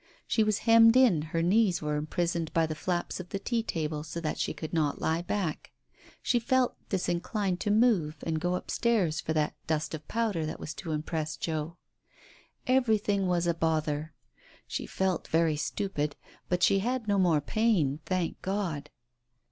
She was hemmed in, her knees were imprisoned by the flaps of the tea table so that she could not lie back. ... She felt disinclined to move and go upstairs for that dust of powder that was to impress Joe. ... Everything was a bother ... she felt very stupid, but she had no more pain, thank God